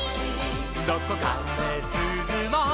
「どこかですずも」